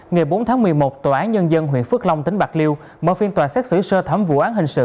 ngày bốn tháng một mươi một tòa án nhân dân huyện phước long tỉnh bạc liêu mở phiên tòa xét xử sơ thẩm vụ án hình sự